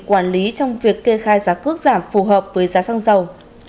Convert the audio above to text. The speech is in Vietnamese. quản lý trong việc kê khai giá cước giảm phù hợp với giá xăng dầu